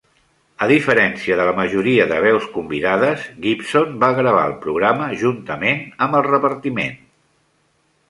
A diferència de la majoria de veus convidades, Gibson va gravar el programa juntament amb el repartiment.